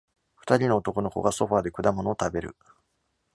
二人の男の子がソファで果物を食べる。